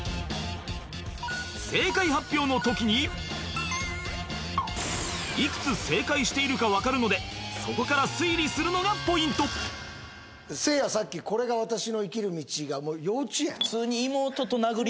正解発表の時にいくつ正解しているか分かるのでそこから推理するのがポイントせいやさっき「これが私の生きる道」が幼稚園？